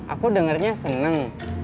aku dengernya seneng